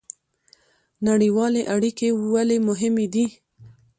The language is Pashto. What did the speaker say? نړیوالې اړیکې ولې مهمې دي؟